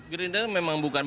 gerindra memang bukan